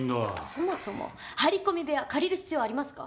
そもそも張り込み部屋借りる必要ありますか？